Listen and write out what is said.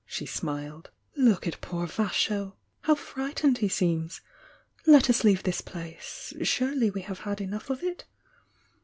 She smiled — "Look at poor Vasho! How fri^tened he seems! Let us leave this place, — surely we have had enough of it?